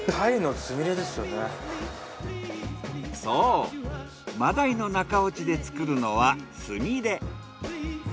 そうマダイの中落ちで作るのはつみれ。